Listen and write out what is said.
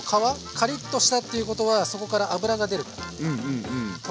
カリッとしたっていうことはそこから脂が出るから。